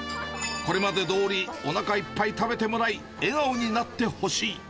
これまでどおりおなかいっぱい食べてもらい、笑顔になってほしい。